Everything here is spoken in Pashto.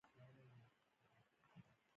اضافي ارزښت ټول له سرمایې سره یوځای کېږي